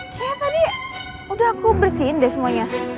saya tadi udah aku bersihin deh semuanya